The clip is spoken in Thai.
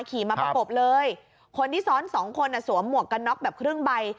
ขี่มาประกบเลยคนที่ซ้อนสองคนอ่ะสวมหมวกกันน็อกแบบครึ่งใบ